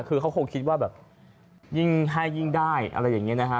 คือเขาคงคิดว่าแบบยิ่งให้ยิ่งได้อะไรอย่างนี้นะฮะ